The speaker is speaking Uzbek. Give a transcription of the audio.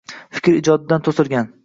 Fikr ijodidan to‘silgan